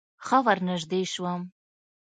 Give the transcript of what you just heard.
ښه ورنژدې سوم.